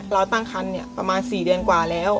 ตั้งคันประมาณ๔เดือนกว่าแล้ว